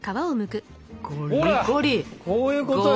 ほらこういうことよ！